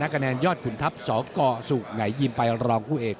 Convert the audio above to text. กระแนนยอดขุนทัพสกสู่ไหนยิมไปรองคู่เอก